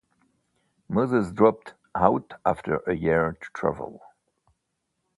Moses dropped out after a year to travel.